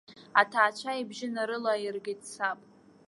Аҭаацәа ибжьы нарылаиргеит саб.